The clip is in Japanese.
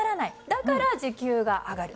だから時給が上がる。